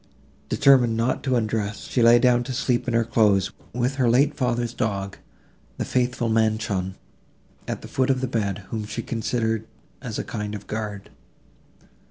Determined not to undress, she lay down to sleep in her clothes, with her late father's dog, the faithful Manchon, at the foot of the bed, whom she considered as a kind of guard.